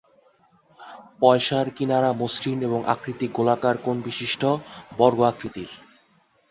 পয়সার কিনারা মসৃণ এবং আকৃতি গোলাকার কোন বিশিষ্ট বর্গ আকৃতির।